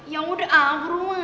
ya udah abur man